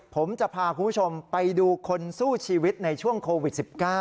ผมจะพาคุณผู้ชมไปดูคนสู้ชีวิตในช่วงโควิด๑๙